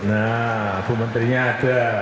nah bumenterinya ada